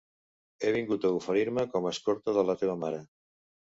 He vingut a oferir-me com escorta de la teva mare.